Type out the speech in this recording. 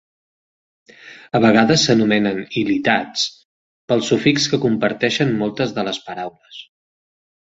A vegades s'anomenen "ilitats" pel sufix que comparteixen moltes de les paraules.